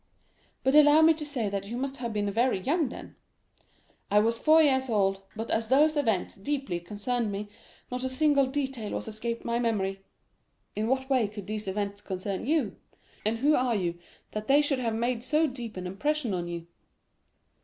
"'But allow me to say that you must have been very young then.'—'I was four years old; but as those events deeply concerned me, not a single detail has escaped my memory.'—'In what manner could these events concern you? and who are you, that they should have made so deep an impression on you?